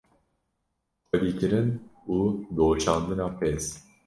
xwedîkirin û doşandina pez